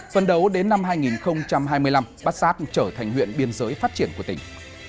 phần đầu đến năm hai nghìn hai mươi năm bát sát trở thành huyện biên giới phát triển của tỉnh